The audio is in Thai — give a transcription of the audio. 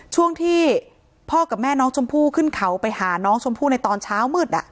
ช่วงที่พ่อกับแม่น้องชมพู่ขึ้นเขาไปหาน้องชมพู่ในตอนเช้ามืด